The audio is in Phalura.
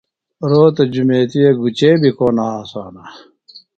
روتہ جُمیتیۡ وے گُچے بیۡ کو نہ ہنسانہ۔